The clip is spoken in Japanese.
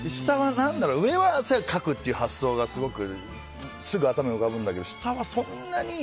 上は汗をかくっていう発想がすぐ頭に浮かぶんだけど下はそんなに。